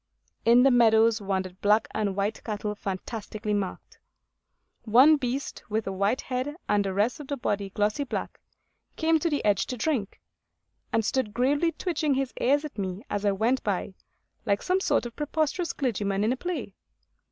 In the meadows wandered black and white cattle fantastically marked. One beast, with a white head and the rest of the body glossy black, came to the edge to drink, and stood gravely twitching his ears at me as I went by, like some sort of preposterous clergyman in a play.